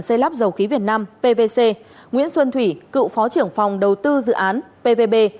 xây lắp dầu khí việt nam pvc nguyễn xuân thủy cựu phó trưởng phòng đầu tư dự án pvb